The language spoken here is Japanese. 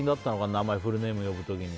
名前フルネーム呼ぶ時に。